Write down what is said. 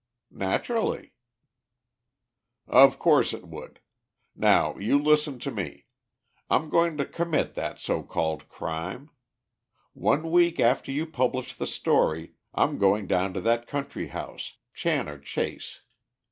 "Naturally." "Of course it would. Now, you listen to me. I'm going to commit that so called crime. One week after you publish the story, I'm going down to that country house, Channor Chase.